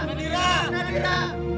nanika hemur hai